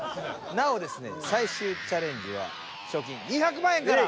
なおですね最終チャレンジは賞金２００万円から。